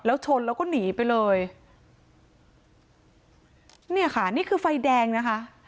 แล้วชนแล้วก็หนีไปเลยเนี่ยค่ะนี่คือไฟแดงนะคะ